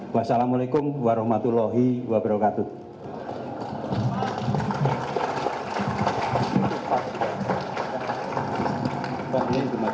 wassalamu'alaikum warahmatullahi wabarakatuh